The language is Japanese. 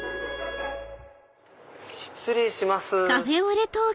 失礼します。